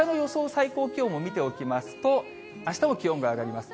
最高気温も見ておきますと、あしたも気温が上がります。